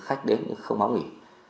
khách đến không báo nghỉ